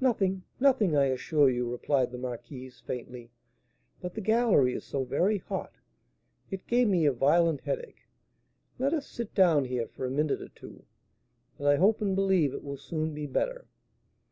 "Nothing, nothing, I assure you," replied the marquise, faintly; "but the gallery is so very hot, it gave me a violent headache. Let us sit down here for a minute or two. I hope and believe it will soon be better."